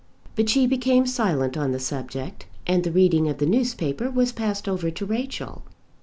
But she became silent on the subject, and the reading of the newspaper was passed over to Rachel.